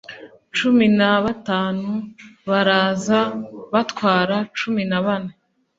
cumi na batanu baraza batwara cumi na bane